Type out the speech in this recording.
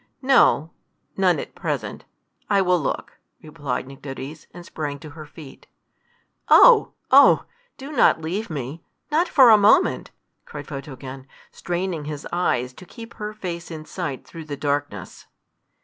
"No none at present. I will look," replied Nycteris, and sprang to her feet. "Oh! oh! do not leave me not for a moment," cried Photogen, straining his eyes to keep her face in sight through the darkness.